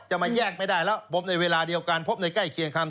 มาแยกไม่ได้แล้วพบในเวลาเดียวกันพบในใกล้เคียงคำ